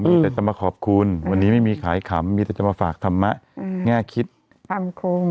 มีแต่จะมาขอบคุณวันนี้ไม่มีขายขำมีแต่จะมาฝากธรรมะแง่คิดทำคง